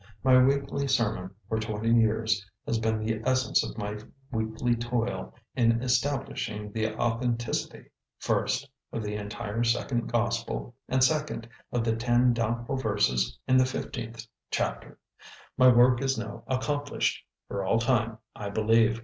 My weekly sermon, for twenty years, has been the essence of my weekly toil in establishing the authenticity, first, of the entire second gospel, and second, of the ten doubtful verses in the fifteenth chapter. My work is now accomplished for all time, I believe.